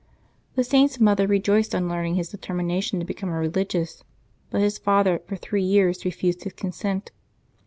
The Saint's mother rejoiced on learning his determination to become a religious, but his father for three years refused his consent.